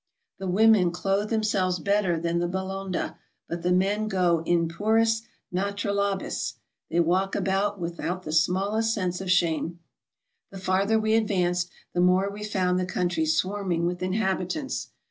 The women clothe themselves better than the Balonda, but the men go in pnris naturalibus. They walk about without the smallest sense of shame. The farther we advanced, the more we found the coun try swarming with inhabitants.